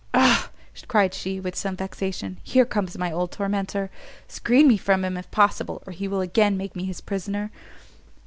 "Ah!" cried she, with some vexation, "here comes my old tormentor! screen me from him if possible, or he will again make me his prisoner."